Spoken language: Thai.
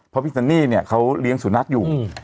เพราะพี่ซันนี่เนี่ยเขาเลี้ยงสุนัขอยู่